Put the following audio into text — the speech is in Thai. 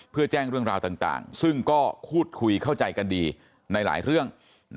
เพื่อแจ้งเรื่องราวต่างซึ่งก็พูดคุยเข้าใจกันดีในหลายเรื่อง